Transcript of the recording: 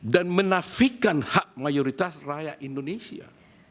dan menafikan hak mayoritas rakyat indonesia